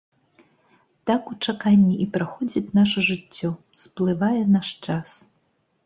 Так у чаканні і праходзіць наша жыццё, сплывае наш час.